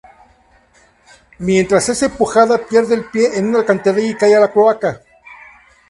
Mientras es empujada pierde el pie en una alcantarilla y cae a las cloacas.